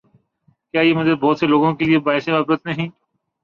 کیا یہ منظر بہت سے لوگوں کے لیے باعث عبرت نہیں؟